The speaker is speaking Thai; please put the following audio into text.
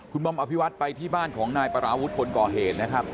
คุณบอมอภิวัตไปที่บ้านของนายปราวุฒิคนก่อเหตุนะครับ